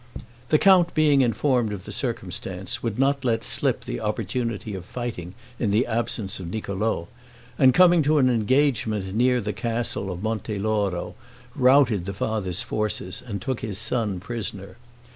The count being informed of the circumstance, would not let slip the opportunity of fighting in the absence of Niccolo; and, coming to an engagement near the castle of Monte Loro, routed the father's forces and took the son prisoner.